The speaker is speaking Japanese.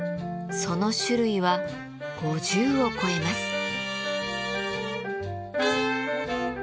その種類は５０を超えます。